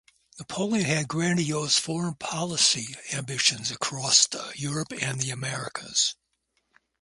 Napoleon had grandiose foreign policy ambitions across Europe and the Americas.